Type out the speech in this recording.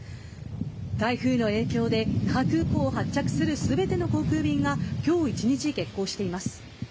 台風の影響で那覇空港を発着する全ての航空便が今日一日、欠航しています。